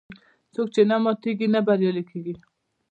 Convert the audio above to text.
څوک چې نه ماتیږي، نه بریالی کېږي.